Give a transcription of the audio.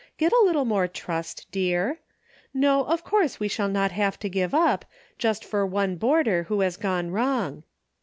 Get a little more trust, dear. IS^o, of course we shall not have to give up, just for one boarder who has gone wrong.